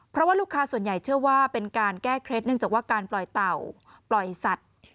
เพราะว่าลูกค้าส่วนใหญ่เชื่อว่าเป็นการแก้เคล็ดเนื่องจากว่าการปล่อยเต่าปล่อยสัตว์